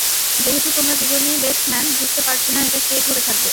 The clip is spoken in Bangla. যেহেতু তোমরা দুজনেই বেস্টম্যান, বুঝতে পারছি না এটা কে ধরে থাকবে।